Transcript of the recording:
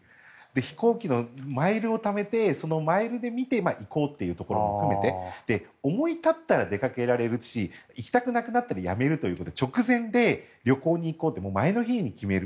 飛行機のマイルをためてそのマイルで見て行こうというところも含めて思い立ったら出かけられるし行きたくなくなったらやめるという直前で旅行に行こうって前の日に決める。